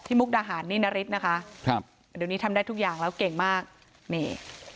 มุกดาหารนี่นาริสนะคะครับเดี๋ยวนี้ทำได้ทุกอย่างแล้วเก่งมากนี่